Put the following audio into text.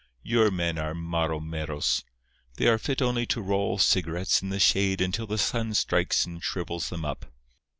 Your men are maromeros. They are fit only to roll cigarettes in the shade until the sun strikes and shrivels them up.